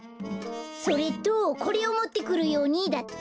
それとこれをもってくるようにだって。